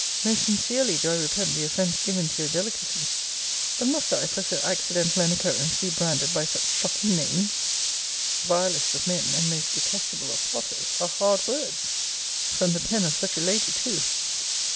Most sincerely do I repent the offence given to your delicacy But must I, for so accidental an occurrence, be branded by such shocking names? Vilest of men, and most detestable of plotters, are hard words! From the pen of such a lady too.